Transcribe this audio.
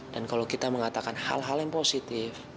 dan kalau kita mengatakan hal hal yang positif